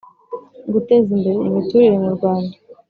guteza imbere imiturire mu Rwanda